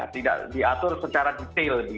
tidak diatur secara detail